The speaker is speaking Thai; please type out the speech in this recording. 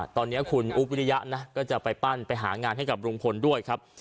ตอนนี้คุณอุ๊บวิริยะนะก็จะไปปั้นไปหางานให้กับลุงพลด้วยครับ